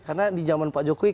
karena di zaman pak jokowi